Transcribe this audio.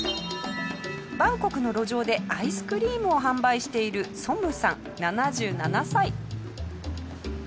バンコクの路上でアイスクリームを販売しているおお！